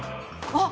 あっ！